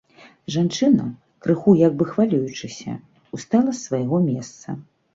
Жанчына, крыху як бы хвалюючыся, устала з свайго месца.